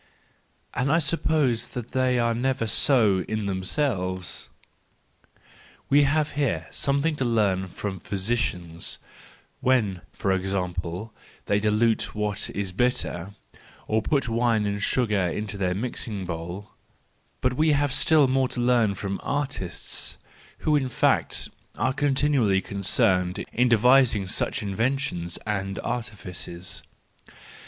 — and I suppose they are never so in themselves ! We have here something to learn from physicians, when, for example, they dilute what is bitter, or put wine and sugar into their mixing bowl; but we have, still more to learn from artists, who in fact, are continually concerned in devising such in¬ ventions and artifices.